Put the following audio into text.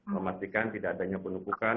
memastikan tidak adanya penumpukan